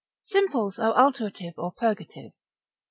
Simples are alterative or purgative.